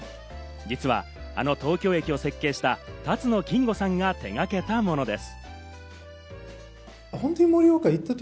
実はあの東京駅を設計した辰野金吾さんが手がけたものです。